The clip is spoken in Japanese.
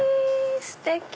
ステキ！